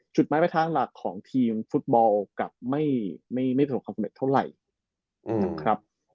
จุดไม่เป็นทางหลักของทีมฟุตบอลกับไม่เป็นสมควรสำเร็จเท่าไหร่